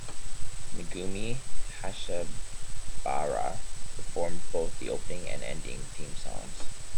Megumi Hayashibara performed both the opening and ending theme songs.